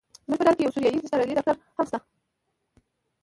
زموږ په ډله کې یو سوریایي استرالیایي ډاکټر هم شته.